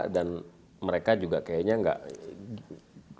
dan mereka juga kayaknya tidak